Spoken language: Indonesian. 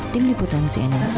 tim liputan siena indonesia